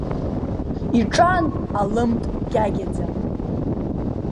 Иҿан алымт гьагьаӡа…